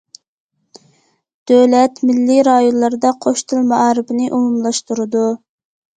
دۆلەت مىللىي رايونلاردا قوش تىل مائارىپىنى ئومۇملاشتۇرىدۇ.